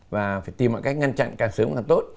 và phải tìm mọi cách ngăn chặn càng sớm càng tốt